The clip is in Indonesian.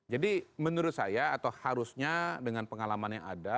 jadi menurut saya atau harusnya dengan pengalaman yang ada